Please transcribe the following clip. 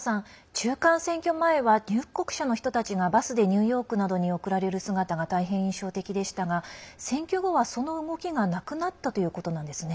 中間選挙前は入国者の人たちがバスでニューヨークなどに送られる姿が大変印象的でしたが選挙後は、その動きがなくなったということなんですね。